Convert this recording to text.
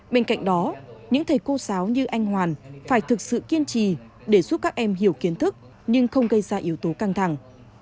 bên cạnh đó những thầy cô giáo như anh hoàn phải thực sự kiên trì để giúp các em hiểu kiến thức nhưng không gây ra yếu tố căng thẳng